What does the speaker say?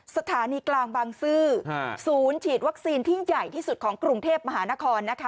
สถานีกลางบางซื่อศูนย์ฉีดวัคซีนที่ใหญ่ที่สุดของกรุงเทพมหานครนะคะ